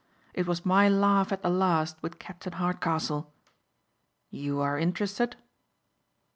It was my laugh at the last with Captain Hardcastle. You are interested?"